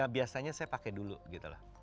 biasanya saya pakai dulu gitu loh